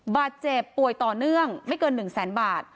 บาดเจ็บป่วยต่อเนื่องไม่เกิน๑แสนบาท